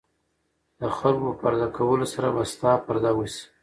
د خلکو په پرده کولو سره به ستا پرده وشي.